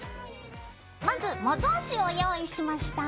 まず模造紙を用意しました。